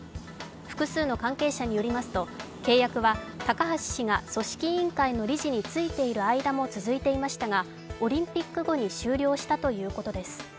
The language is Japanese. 複数の関係者によりますと、契約は高橋氏が組織委員会の理事に就いている間も続いていましたが、オリンピック後に終了したということです。